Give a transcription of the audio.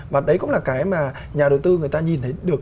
và đấy cũng là cái mà nhà đầu tư người ta nhìn thấy được